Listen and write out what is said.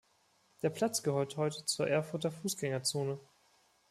Der Platz gehört heute zur Erfurter Fußgängerzone.